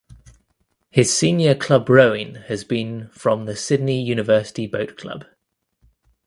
His senior club rowing has been from the Sydney University Boat Club.